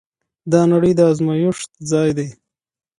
دا نړۍ د ازمويښت ځای دی.